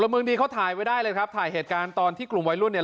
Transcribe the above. เมืองดีเขาถ่ายไว้ได้เลยครับถ่ายเหตุการณ์ตอนที่กลุ่มวัยรุ่นเนี่ย